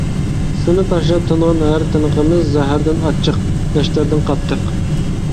سېنى تاشلاپ تىنغان ھەر تىنىقىمىز زەھەردىن ئاچچىق، نەشتەردىن قاتتىق.